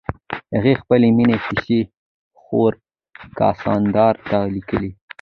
هغې خپلې مینې کیسې خور کاساندرا ته لیکلې.